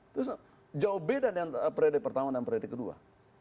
itu jauh beda dengan periode pertama dan periode kedua